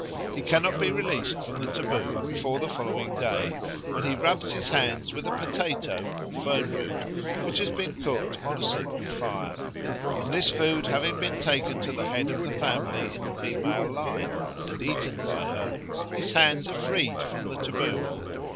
He cannot be released from the taboo before the following day, when he rubs his hands with potato or fern root which has been cooked on a sacred fire; and this food having been taken to the head of the family in the female line and eaten by her, his hands are freed from the taboo.